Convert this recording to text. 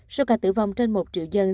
số ca tử vong trên một triệu dân